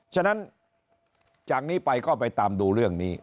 ฉะนั้นจากนี้ไปก็ไปตามดูเรื่องนี้